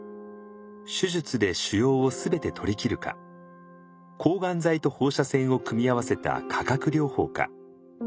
手術で腫瘍を全て取りきるか抗がん剤と放射線を組み合わせた化学療法か。